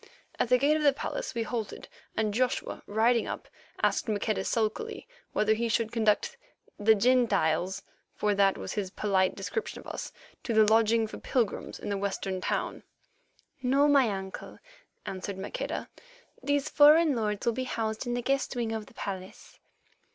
At the gate of the palace we halted, and Joshua, riding up, asked Maqueda sulkily whether he should conduct "the Gentiles," for that was his polite description of us, to the lodging for pilgrims in the western town. "No, my uncle," answered Maqueda; "these foreign lords will be housed in the guest wing of the palace."